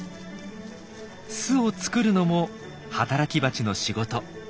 巣を作るのも働きバチの仕事。